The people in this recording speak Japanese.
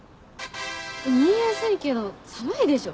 見えやすいけど寒いでしょ。